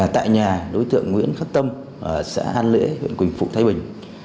tại nhà đối tượng nguyễn khắc tâm ở xã an lễ huyện quỳnh phụ thái bình